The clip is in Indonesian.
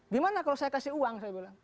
gimana kalau saya kasih uang